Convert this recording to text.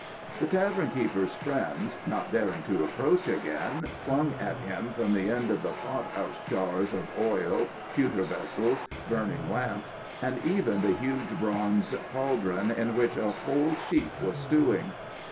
The tavern keeper's friends, not daring to approach again, flung at him from the end of the pot house jars of oil, pewter vessels, burning lamps, and even the huge bronze cauldron in which a whole sheep was stewing.